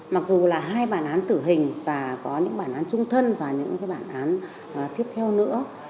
mặc dù là hai bản án tử hình và có những bản án trung thân và những bản án tiếp theo nữa